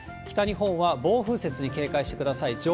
北日本は暴風雪に警戒してください。